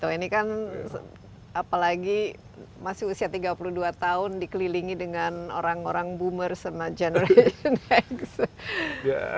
ini kan apalagi masih usia tiga puluh dua tahun dikelilingi dengan orang orang boomer sama generation x